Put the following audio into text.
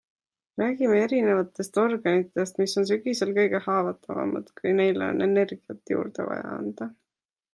Räägime erinevatest organitest, mis on sügisel kõige haavatavamad, kui neile on energiat juurde vaja anda.